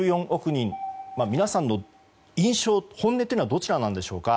人皆さんの印象、本音というのはどちらなんでしょうか。